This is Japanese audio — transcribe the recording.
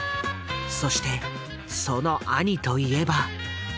そしてその兄といえば。